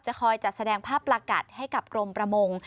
คอยจัดแสดงภาพประกัดให้กับกรมประมง